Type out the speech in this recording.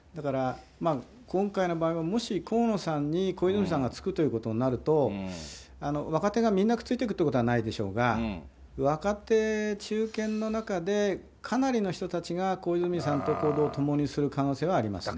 だから、今回の場合はもし河野さんに小泉さんがつくということになると、若手がみんなついていくということはないでしょうが、若手・中堅の中で、かなりの人たちが小泉さんと行動を共にする可能性はありますね。